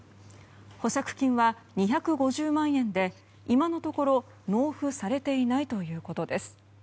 保釈金は２５０万円で今のところ納付されていないということです。